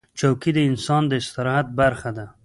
چوکۍ د انسان د استراحت برخه ده.